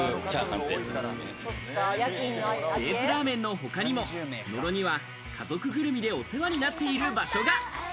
Ｊ’ｓラーメンの他にも野呂には家族ぐるみでお世話になっている場所が。